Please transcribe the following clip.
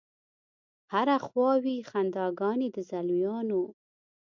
هره خوا وي خنداګانې د زلمیانو